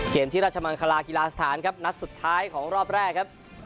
ที่ราชมังคลากีฬาสถานครับนัดสุดท้ายของรอบแรกครับ